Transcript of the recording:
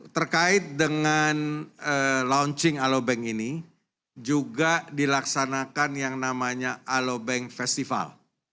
terkait dengan launching alobank ini juga dilaksanakan yang namanya alobank festival